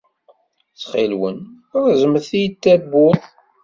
Ttxil-wen, reẓmet-iyi-d tawwurt.